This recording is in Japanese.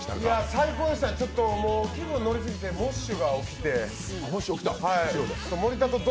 最高でした、もう気分ノリすぎてモッシュが起きて。